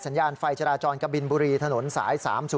สัญญาณไฟจราจรกะบินบุรีถนนสาย๓๐